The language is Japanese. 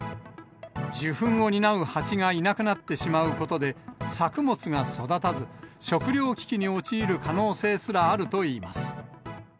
受粉を担うハチがいなくなってしまうことで、作物が育たず、食料危機に陥る可能性すらあるといいます。